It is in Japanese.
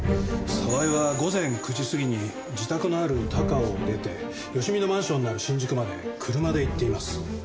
澤井は午前９時過ぎに自宅のある高尾を出て芳美のマンションのある新宿まで車で行っています。